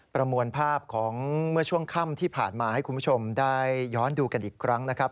ประมวลภาพของเมื่อช่วงค่ำที่ผ่านมาให้คุณผู้ชมได้ย้อนดูกันอีกครั้งนะครับ